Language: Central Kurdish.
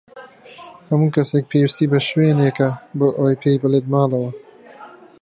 هەموو کەسێک پێویستی بە شوێنێکە بۆ ئەوەی پێی بڵێت ماڵەوە.